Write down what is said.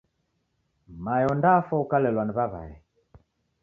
Mae ondafwa ukalelwa ni w'aw'ae.